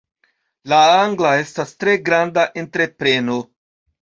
La angla estas tre granda entrepreno.